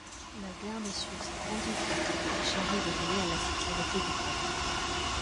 La Garde suisse pontificale est chargée de veiller à la sécurité du pape.